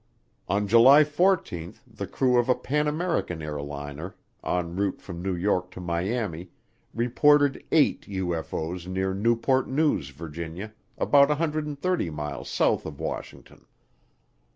On July 14 the crew of a Pan American airliner en route from New York to Miami reported eight UFO's near Newport News, Virginia, about 130 miles south of Washington.